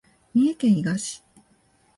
三重県伊賀市